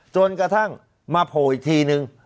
จนกระทั่งมาโผล่อีกทีนึง